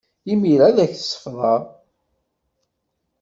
Imir-a, ad k-sefḍeɣ.